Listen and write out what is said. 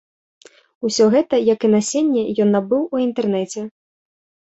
Усё гэта, як і насенне ён набыў у інтэрнэце.